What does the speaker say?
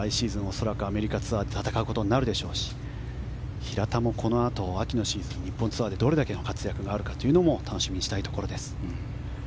恐らくアメリカツアーで戦うことになるでしょうし平田もこのあと秋のシーズン、日本のツアーでどれだけの活躍があるか楽しみにしたいところです。